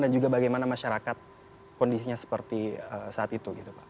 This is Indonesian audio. dan juga bagaimana masyarakat kondisinya seperti saat itu